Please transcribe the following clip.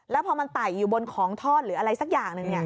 แล้วพอมันไต่อยู่บนของทอดหรืออะไรสักอย่างหนึ่ง